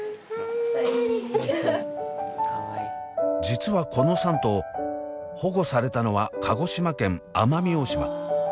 実はこの３頭保護されたのは鹿児島県奄美大島。